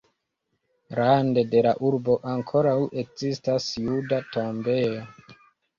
Rande de la urbo ankoraŭ ekzistas juda tombejo.